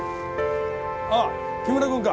ああ木村君か。